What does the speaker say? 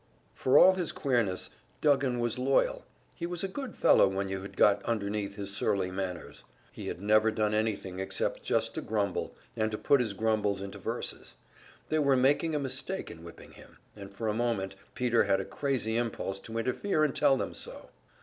For all his queerness, Duggan was loyal, he was a good fellow when you had got underneath his surly manners. He had never done anything except just to grumble, and to put his grumbles into verses; they were making a mistake in whipping him, and for a moment Peter had a crazy impulse to interfere and tell them so.